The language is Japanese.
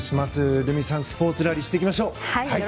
瑠海さんスポーツラリーしていきましょう。